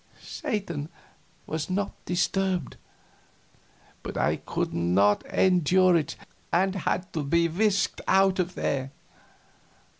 Satan was not disturbed, but I could not endure it, and had to be whisked out of there.